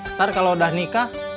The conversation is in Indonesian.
ntar kalau udah nikah